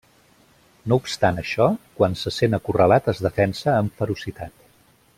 No obstant això, quan se sent acorralat es defensa amb ferocitat.